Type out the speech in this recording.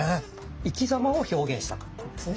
生き様を表現したかったんですね。